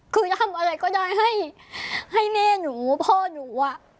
คือจะทำอะไรก็ได้ให้แม่หนูพ่อหนูอ่ะ